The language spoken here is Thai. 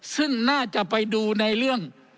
ซึ่งน่าจะไปดูในเรื่อง